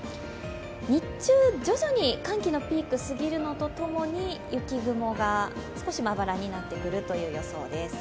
日中、徐々に寒気のピークが過ぎるのとともに雪雲が少しまばらになってくるという予想です。